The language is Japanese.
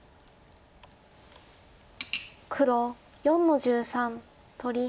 黒４の十三取り。